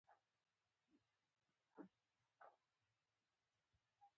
په هغه به عمل کیږي.